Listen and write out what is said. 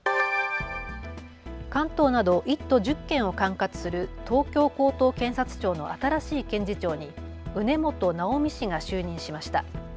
関東など１都１０県を管轄する東京高等検察庁の新しい検事長に畝本直美氏が就任しました。